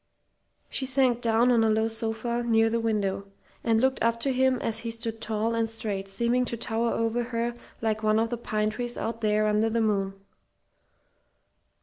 She sank down on a low sofa near the window, and looked up to him as he stood tall and straight, seeming to tower over her like one of the pine trees out there under the moon.